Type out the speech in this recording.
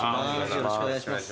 よろしくお願いします。